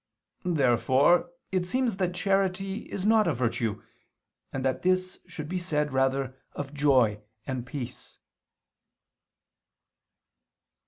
Therefore it seems that charity is not a virtue, and that this should be said rather of joy and peace.